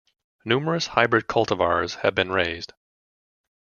Numerous hybrid cultivars have been raised.